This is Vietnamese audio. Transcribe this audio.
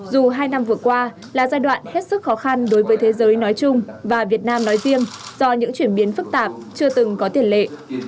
dù hai năm vừa qua là giai đoạn hết sức khó khăn đối với thế giới nói chung và việt nam nói riêng do những chuyển biến phức tạp chưa từng có tiền lệ